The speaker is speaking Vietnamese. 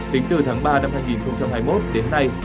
tính từ tháng ba năm hai nghìn hai mươi một đến nay